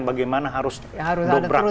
bagaimana harus dobrak